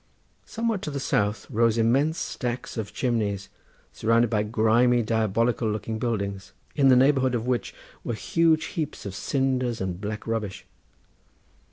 Somewhat to the south rose immense stacks of chimneys surrounded by grimy diabolical looking buildings, in the neighbourhood of which were huge heaps of cinders and black rubbish.